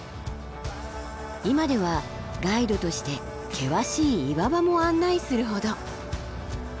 今ではガイドとして険しい岩場も案内するほど。